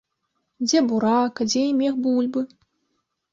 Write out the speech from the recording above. Дзе бурак, а дзе і мех бульбы.